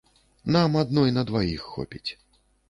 Нам адной на дваіх хопіць.